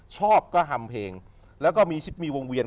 ชอบก็ฮัมเพลงแล้วก็มีชิปมีวงเวียน